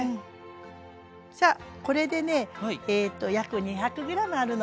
さあこれでね約２００ｇあるの。